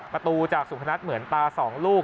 ประตูจากสุพนัทเหมือนตา๒ลูก